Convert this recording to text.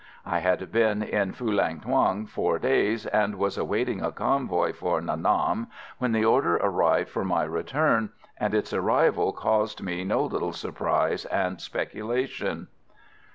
I had been in Phulang Thuong four days, and was awaiting a convoy for Nha Nam, when the order arrived for my return, and its arrival caused me no little surprise and speculation.